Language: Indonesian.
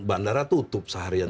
bandara tutup seharian